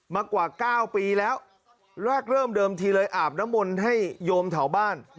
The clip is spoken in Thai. มากว่า๙ปีแล้วแรกเริ่มเดิมทีเลยอาบน้ำมนต์ให้โยมแถวบ้าน